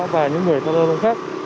và những người thân thân khác